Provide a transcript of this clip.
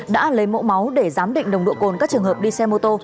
đã lấy mẫu máu để giám định nồng độ cồn các trường hợp đi xe mô tô